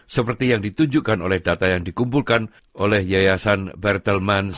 seperti yang ditunjukkan oleh data yang dikumpulkan oleh yayasan berttlemans